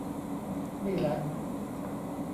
นี่แหละ